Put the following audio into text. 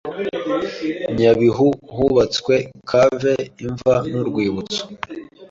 Nyabihu Hubatswe cave imva n urwibutso